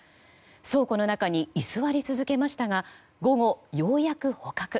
倉庫の中に居座り続けましたが午後ようやく捕獲。